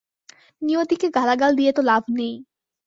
নিয়তিকে গালাগাল দিয়ে তো লাভ নাই।